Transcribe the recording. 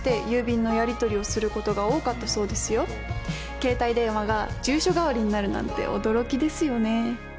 携帯電話が住所代わりになるなんて驚きですよね。